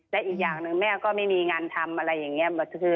และอีกอย่างหนึ่งแม่ก็ไม่มีงานทำอะไรอย่างนี้